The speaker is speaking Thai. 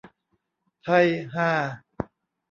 ไทยฮา